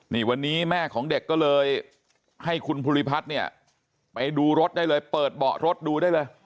นี่วันนี้แม่ของเด็กก็เลยให้คุณภูริพัฒน์เนี่ยไปดูรถได้เลยเปิดเบาะรถดูได้เลย